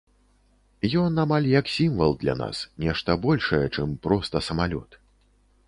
Ён амаль як сімвал для нас, нешта большае, чым проста самалёт.